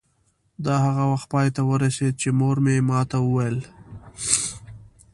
دا هغه وخت پای ته ورسېده چې مور مې ما ته وویل.